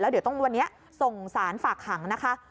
เดี๋ยวต้องวันนี้ส่งสารฝากขังนะคะ